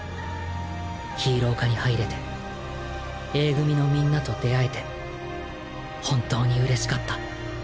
ヒーロー科に入れてＡ組のみんなと出会えて本当に嬉しかった。